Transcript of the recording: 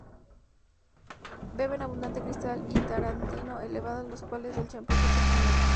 Beben abundante Cristal, y Tarantino eleva las cualidades del champán constantemente.